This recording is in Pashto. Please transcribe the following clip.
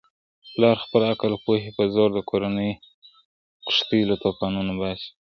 پلارد خپل عقل او پوهې په زور د کورنی کښتۍ له توپانونو باسي.